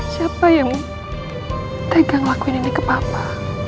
siapa yang pegang lakuin ini ke papa